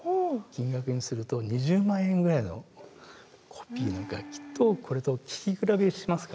金額にすると２０万円ぐらいのコピーの楽器とこれと聴き比べしますか？